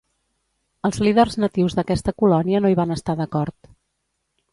Els líders natius d'aquesta colònia no hi van estar d'acord.